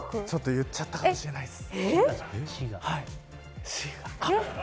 ちょっと言っちゃったかもしれない。